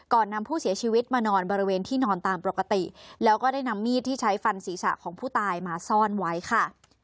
นำผู้เสียชีวิตมานอนบริเวณที่นอนตามปกติแล้วก็ได้นำมีดที่ใช้ฟันศีรษะของผู้ตายมาซ่อนไว้ค่ะ